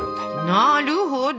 なるほど。